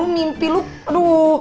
mimpi lu aduh